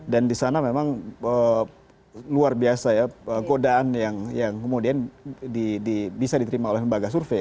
dan di sana memang luar biasa ya godaan yang kemudian bisa diterima oleh lembaga survei